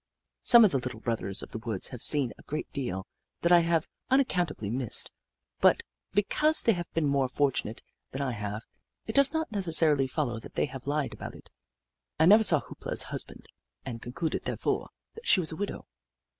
Some of the Little Brothers of the Woods have seen a great deal that I have unaccountably missed, but because they have been more fortunate than I have, it does not necessarily follow that they have lied about it. I never saw Hoop La's husband, and con cluded, therefore, that she was a widow.